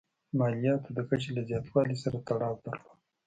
مالیاتو د کچې له زیاتوالي سره تړاو درلود.